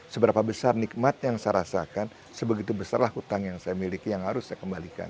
seberapa besar nikmat yang saya rasakan sebegitu besarlah hutang yang saya miliki yang harus saya kembalikan